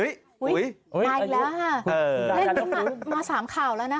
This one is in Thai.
อุ้ยมาอีกแล้วฮะมาสามข่าวแล้วนะฮะ